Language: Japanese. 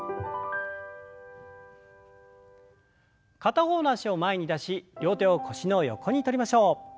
片方の脚を前に出し両手を腰の横にとりましょう。